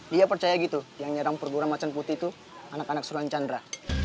dia percaya gitu yang nyerang perguruan macem putih itu anak anak suruhanjandra